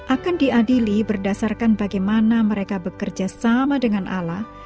akan diadili berdasarkan bagaimana mereka bekerja sama dengan ala